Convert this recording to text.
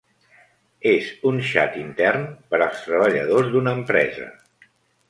És un xat intern per als treballadors d’una empresa.